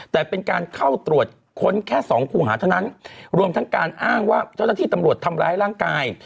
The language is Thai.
แต่เป็นการเข้าตรวจค้นแค่สองคู่หาเท่านั้นรวมทั้งการอ้างว่าเจ้าหน้าที่ตำรวจทำร้ายร่างกาย